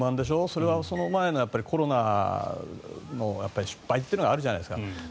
それはその前のコロナの失敗というのがあるじゃないですか。